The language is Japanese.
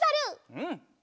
うん。